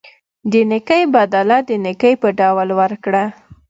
د نیکۍ بدله د نیکۍ په ډول ورکړه.